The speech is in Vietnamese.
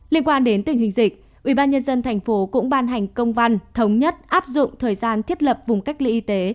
liên quan đến tình hình dịch ubnd tp cũng ban hành công văn thống nhất áp dụng thời gian thiết lập vùng cách ly y tế